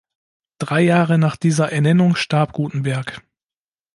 Drei Jahre nach dieser Ernennung starb Gutenberg.